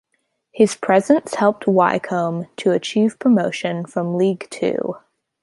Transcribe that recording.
His presence helped Wycombe to achieve promotion from League Two.